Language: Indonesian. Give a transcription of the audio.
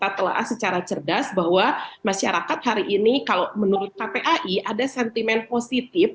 kita telah secara cerdas bahwa masyarakat hari ini kalau menurut kpai ada sentimen positif